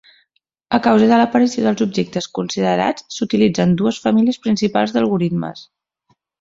A causa de l'aparició dels objectes considerats, s'utilitzen dues famílies principals d'algoritmes.